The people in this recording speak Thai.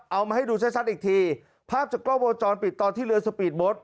เอามาให้ดูชัดอีกทีภาพจากกล้องวงจรปิดตอนที่เรือสปีดโบสต